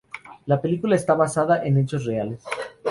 La película está basada en hechos reales.